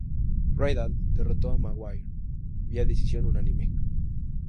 Riddle derrotó a Maguire vía decisión unánime.